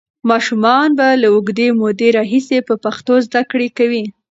ماشومان به له اوږدې مودې راهیسې په پښتو زده کړه کوي.